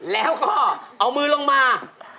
แล้วก็เอามือลงมา